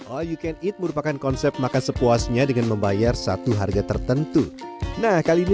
all you can eat merupakan konsep makan sepuasnya dengan membayar satu harga tertentu nah kali ini